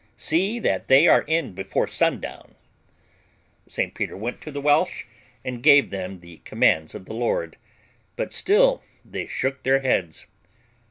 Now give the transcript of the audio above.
See that they are in before sundown." St. Peter went to the Welsh and gave them the commands of the Lord. But still they shook their heads.